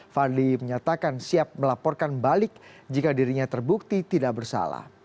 fadli menyatakan siap melaporkan balik jika dirinya terbukti tidak bersalah